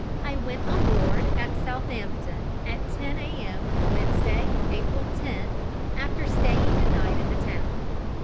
I went on board at Southampton at 10 A.M. Wednesday, April 10, after staying the night in the town.